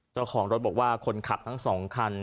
เจ้าของรถบอกว่าคนขับทั้งสองคัน